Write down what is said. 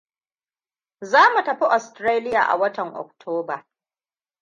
Za mu tafi Austaralia a watan Oktoba.